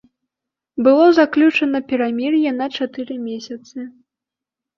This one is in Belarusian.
Было заключана перамір'е на чатыры месяцы.